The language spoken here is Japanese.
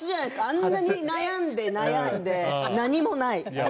あんなに悩んで悩んで何もない。